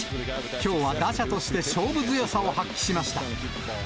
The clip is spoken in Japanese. きょうは打者として勝負強さを発揮しました。